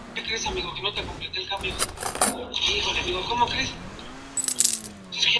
Luego de un tiempo decidió volver al club de sus amores, Laferrere.